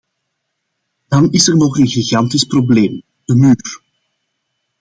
Dan is er nog een gigantisch probleem: de muur.